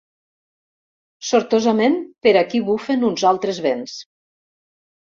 Sortosament, per aquí bufen uns altres vents.